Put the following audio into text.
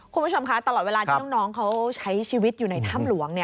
คุณผู้ชมคะตลอดเวลาที่น้องเขาใช้ชีวิตอยู่ในถ้ำหลวง